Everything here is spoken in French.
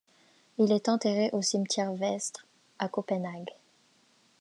Il est enterré au cimetière Vestre à Copenhague.